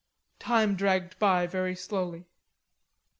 Time dragged by very slowly.